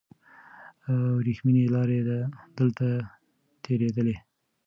وریښمینې لارې دلته تېرېدلې.